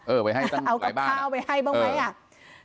เออกับข้าวไปให้บ้างไหมอ่ะ